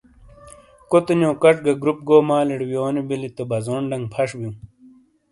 کُوتے نیو کچ گہ گُروپ گو مالِیڑے وییونو بیلی تو بزون ڈنگ پھش بِیوں۔